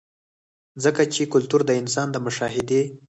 ځکه چې کلتور د انسان د مشاهدې